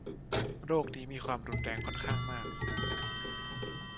โรคนี้มีความรุนแรงค่อนข้างมาก